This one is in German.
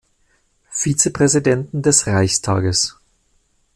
Vizepräsidenten des Reichstages.